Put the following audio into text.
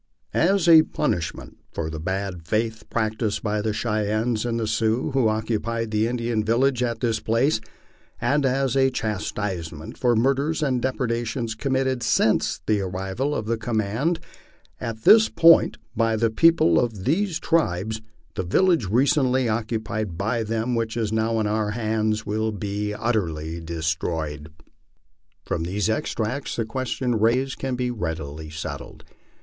As a punishment for the bad faith practised by the Cheyennes and Sioux who occupied the Indian village at this place, and as a chastisement for murders and depredations committed since the arrival of the command at this point, by the people of these tribes, the village recently occupied by them, which is now in our hands, will be utterly destroyed." MY LIFE ON THE PLAINS. 43 From these extracts the question raised can be readily settled.